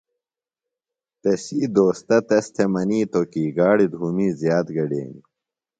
تسی دوستہ تس تھےۡ منِیتوۡ کی گاڑیۡ دُھومی زیات گڈینیۡ۔